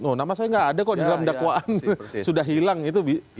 tapi tidak ada kok di dalam dakwaan sudah hilang itu